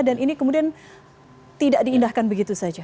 dan ini kemudian tidak diindahkan begitu saja